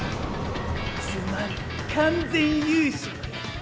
つまり完全優勝や！